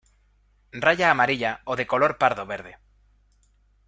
Raya amarilla o de color pardo verde.